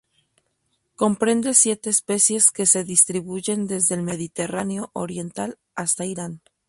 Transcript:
Comprende siete especies que se distribuyen desde el Mediterráneo oriental hasta Irán.